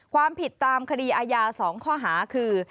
ความผิดตามคดีอาญา๒ข้อหาคือ